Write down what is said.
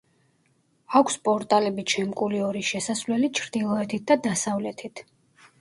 აქვს პორტალებით შემკული ორი შესასვლელი ჩრდილოეთით და დასავლეთით.